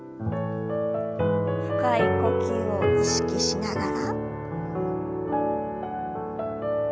深い呼吸を意識しながら。